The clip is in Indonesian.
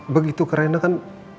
begitu ke rena kan